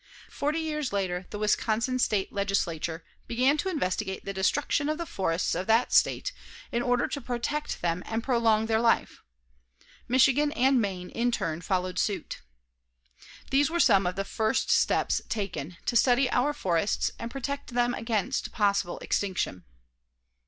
Forty years later, the Wisconsin State Legislature began to investigate the destruction of the forests of that state in order to protect them and prolong their life. Michigan and Maine, in turn, followed suit. These were some of the first steps taken to study our forests and protect them against possible extinction.